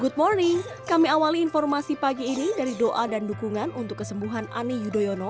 good morning kami awali informasi pagi ini dari doa dan dukungan untuk kesembuhan ani yudhoyono